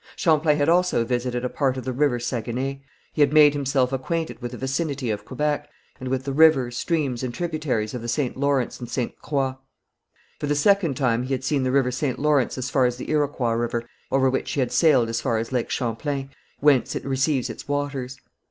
Champlain had also visited a part of the river Saguenay; he had made himself acquainted with the vicinity of Quebec, and with the rivers, streams and tributaries of the St. Lawrence and Ste. Croix. For the second time he had seen the river St. Lawrence as far as the Iroquois River over which he had sailed as far as Lake Champlain, whence it receives its waters.